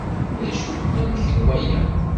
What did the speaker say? D acu-t unamek n waya?